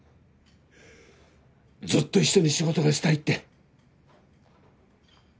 ずっと一緒に仕事がしたいって。